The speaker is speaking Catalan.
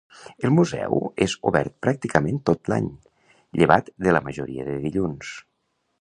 El Museu és obert pràcticament tot l'any, llevat de la majoria de dilluns.